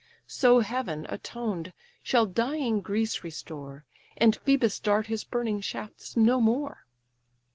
So Heaven, atoned, shall dying Greece restore, And Phœbus dart his burning shafts no more."